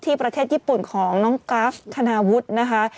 ประเทศญี่ปุ่นของน้องกราฟคณาวุฒินะคะ